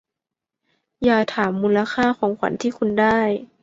อย่าถามมูลค่าของขวัญที่คุณได้